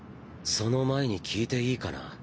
その前に聞いていいかな。